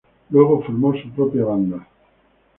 Luego formó su propia banda.